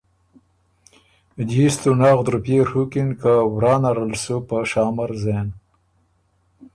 جیستُو نغد روپئے ڒُوکِن که ورا نرل سُو په شامر زېن